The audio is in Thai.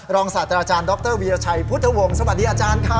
ศาสตราจารย์ดรวีรชัยพุทธวงศ์สวัสดีอาจารย์ค่ะ